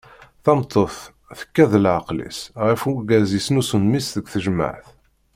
Tameṭṭut tekka deg leɛqel-is ɣef urgaz yesnusun mmi-s deg tejmeɛt!